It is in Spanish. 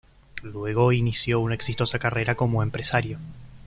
Luego inició una exitosa carrera como empresario.